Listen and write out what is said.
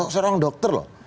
seorang dokter loh